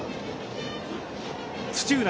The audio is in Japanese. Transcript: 土浦